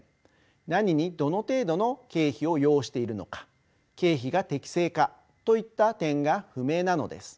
何にどの程度の経費を要しているのか経費が適正かといった点が不明なのです。